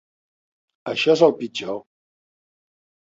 Això és el pitjor.